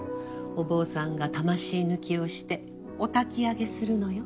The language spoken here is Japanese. お坊さんが魂抜きをしておたき上げするのよ。